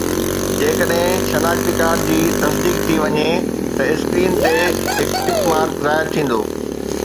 جيڪڏهن شناختي ڪارڊ جي تصديق ٿي وڃي ته اسڪرين تي هڪ ٽڪ مارڪ ظاهر ٿيندو